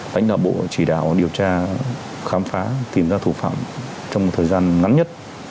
lãnh đạo bộ chỉ đạo điều tra khám phá tìm ra thủ phạm trong một thời gian ngắn nhất